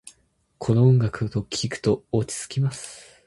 この音楽を聴くと落ち着きます。